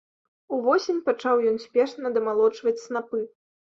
Увосень пачаў ён спешна дамалочваць снапы.